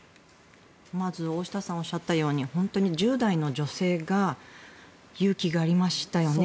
まず、大下さんがおっしゃったように１０代の女性が勇気がありましたよね。